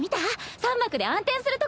三幕で暗転するところ。